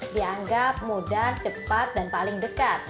dianggap mudah cepat dan paling dekat